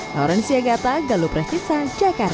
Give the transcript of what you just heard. lauren siagata galup restitut jakarta